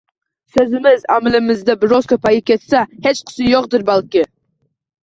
So‘zimiz amalimizdan biroz ko‘payib ketsa, hechqisi yo‘qdir, balki.